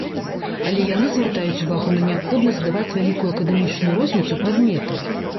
Але яны звяртаюць увагу на неабходнасць здаваць вялікую акадэмічную розніцу прадметаў.